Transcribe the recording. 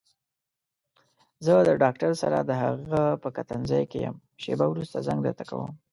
زه د ډاکټر سره دهغه په کتنځي کې يم شېبه وروسته زنګ درته کوم.